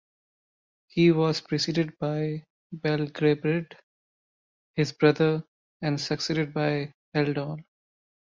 He was preceded by Beldgabred, his brother, and succeeded by Eldol.